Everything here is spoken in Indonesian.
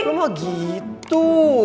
lu mau gitu